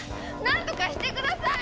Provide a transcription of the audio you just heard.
何とかして下さい！